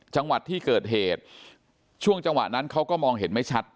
จังหวัดที่เกิดเหตุช่วงจังหวะนั้นเขาก็มองเห็นไม่ชัด